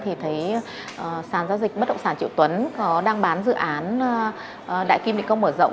thì thấy sàn giao dịch bất động sản triệu tuấn đang bán dự án đại kim định công mở rộng